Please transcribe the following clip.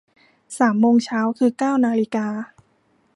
สามโมงเช้า คือเก้านาฬิกา